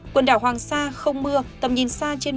quần đảo hoàng sa không mưa tầm nhìn xa trên một mươi km